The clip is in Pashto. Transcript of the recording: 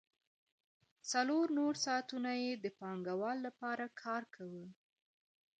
څلور نور ساعتونه یې د پانګوال لپاره کار کاوه